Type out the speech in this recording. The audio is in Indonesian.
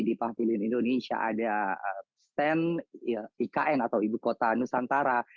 di pavilion indonesia ada stand ikn atau ibu kota nusantara